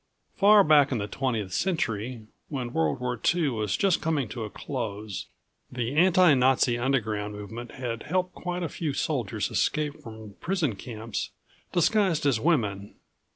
15 Far back in the twentieth century, when World War II was just coming to a close, the anti Nazi underground movement had helped quite a few soldiers escape from prison camps disguised as women.